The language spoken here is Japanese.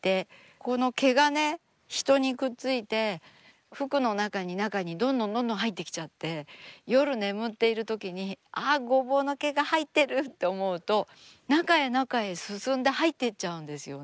この毛がね人にくっついて服の中に中にどんどんどんどん入ってきちゃって夜眠っているときにあっごぼうの毛が入ってるって思うと中へ中へ進んで入っていっちゃうんですよね。